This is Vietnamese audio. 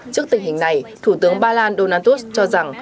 trước tình hình này thủ tướng ba lan donatus cho rằng